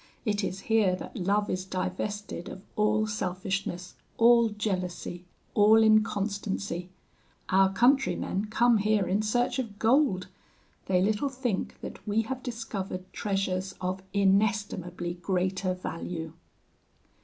It is here that love is divested of all selfishness, all jealousy, all inconstancy. Our countrymen come here in search of gold; they little think that we have discovered treasures of inestimably greater value.'